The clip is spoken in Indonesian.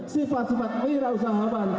sifat sifat wira usahawan